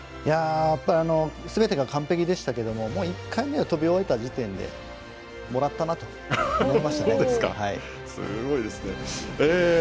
やっぱりすべてが完璧でしたけども１回目を飛び終えた時点でもらったなと思いましたね。